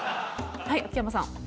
はい秋山さん。